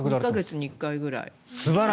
１か月に１回ぐらい。